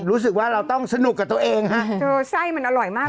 รู้สึกว่าเราต้องสนุกกับตัวเองใส่มันอร่อยมากเลยนะหยวกก้วย